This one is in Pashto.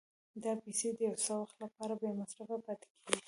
دا پیسې د یو څه وخت لپاره بې مصرفه پاتې کېږي